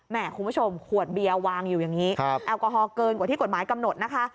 คุณผู้ชมขวดเบียร์วางอยู่อย่างนี้แอลกอฮอลเกินกว่าที่กฎหมายกำหนดนะคะ